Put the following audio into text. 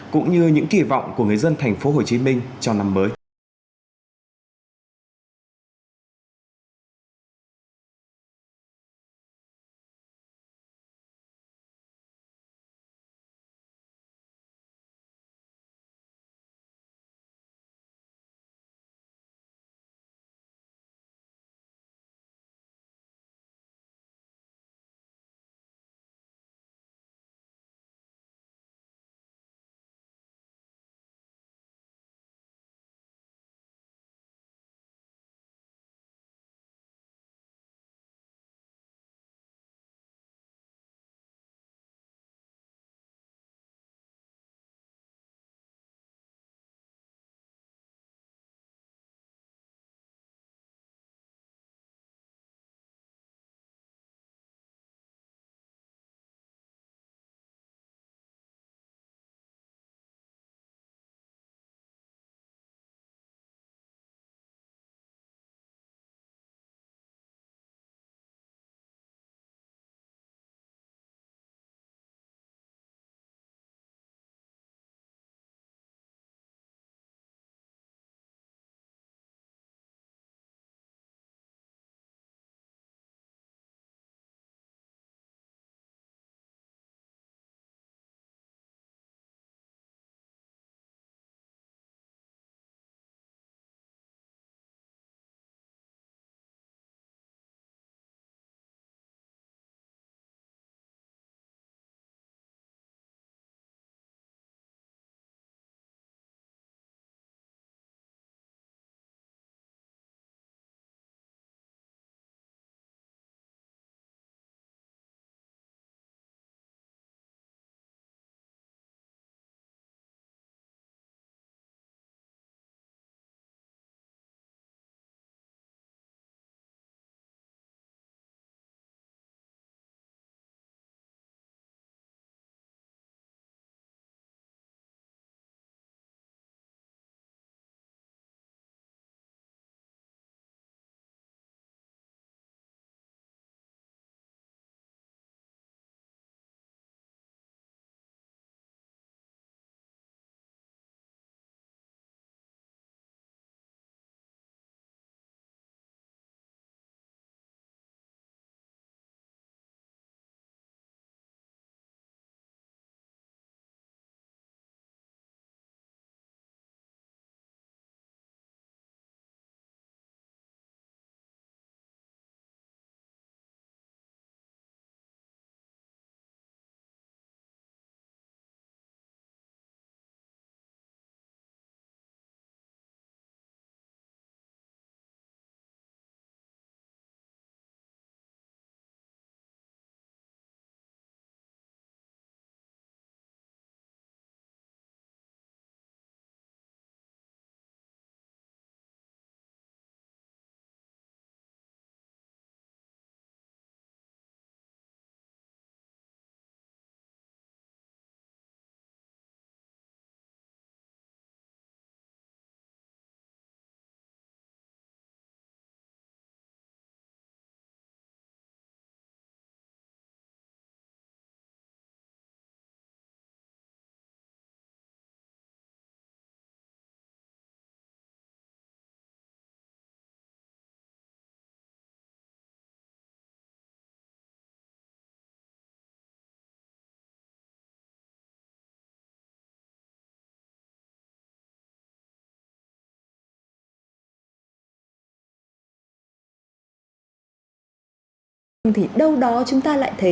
cũng như những kỳ vọng của người dân thành phố hồ chí minh cho năm mới